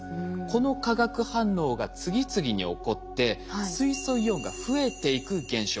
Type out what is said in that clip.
この化学反応が次々に起こって水素イオンが増えていく現象